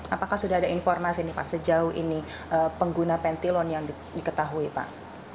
apakah sudah ada informasi nih pak sejauh ini pengguna pentilon yang diketahui pak